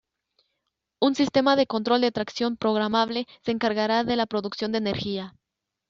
Un sistema de control de tracción programable se encargará de la producción de energía.